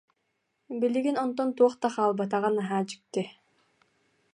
Билигин онтон туох да хаалбатаҕа наһаа дьикти